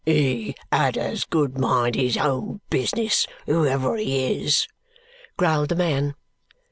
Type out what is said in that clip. "He had as good mind his own business, whoever he is," growled the man.